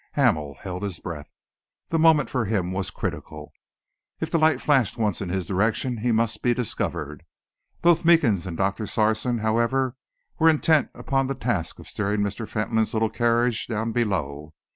Hamel held his breath. The moment for him was critical. If the light flashed once in his direction, he must be discovered. Both Meekins and Doctor Sarson, however, were intent upon the task of steering Mr. Fentolin's little carriage down below.